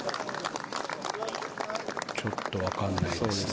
ちょっとわからないですね。